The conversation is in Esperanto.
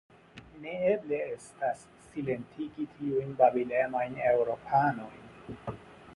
Neeble estas, silentigi tiujn babilemajn Eŭropanojn!